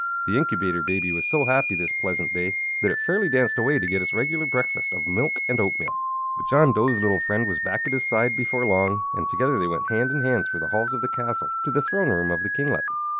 The Incubator Baby was so happy this pleasant day that it fairly danced away to get its regular breakfast of milk and oatmeal. But John Dough's little friend was back at his side before long, and together they went hand in hand through the halls of the castle to the throne room of the kinglet.